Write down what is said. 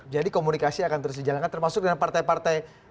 jadi komunikasi akan terus dijalankan termasuk dengan partai partai